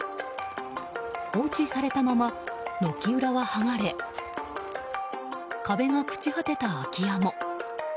放置されたまま軒裏は、剥がれ壁が朽ち果てた空き家も。